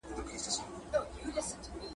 شیطان قوي دی د ملایانو ..